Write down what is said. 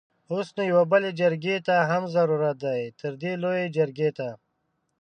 اوس نو يوې بلې جرګې ته هم ضرورت دی؛ تردې لويې جرګې ته!